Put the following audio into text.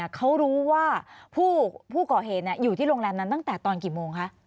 เขารู้ว่าผู้ก่อเหตุอยู่ที่โรงแรมนั้นตั้งแต่ตอนกี่โมงคะ